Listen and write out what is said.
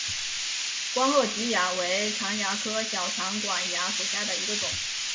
光褐菊蚜为常蚜科小长管蚜属下的一个种。